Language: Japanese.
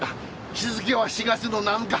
日付は４月の７日！